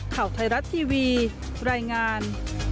ข่าวไทยรัฐทีวีรายงาน